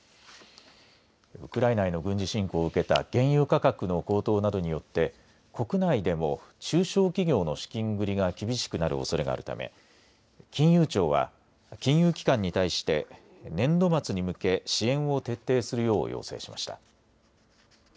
ウクライナへの軍事侵攻を受けた原油価格の高騰などによって国内でも中小企業の資金繰りが厳しくなるおそれがあるため金融庁は金融機関に対して年度末に向け支援を徹底するよう要請しました。